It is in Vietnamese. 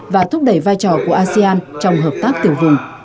và thúc đẩy vai trò của asean trong hợp tác tiểu vùng